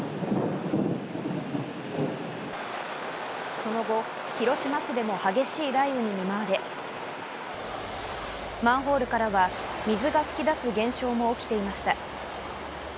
その後、広島市でも激しい雷雨に見舞われ、マンホールからは水が噴き出す現象も起きていました。